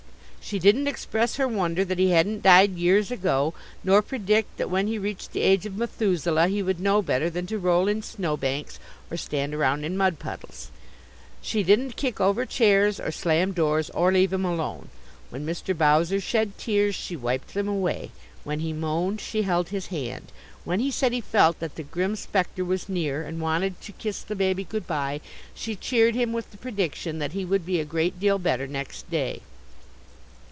She didn't express her wonder that he hadn't died years ago, nor predict that when he reached the age of Methuselah he would know better than to roll in snow banks or stand around in mud puddles. She didn't kick over chairs or slam doors or leave him alone. When Mr. Bowser shed tears, she wiped them away. When he moaned, she held his hand. When he said he felt that the grim specter was near, and wanted to kiss the baby good by, she cheered him with the prediction that he would be a great deal better next day.